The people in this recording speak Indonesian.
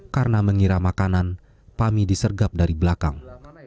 karena mengira makanan pami disergap dari belakang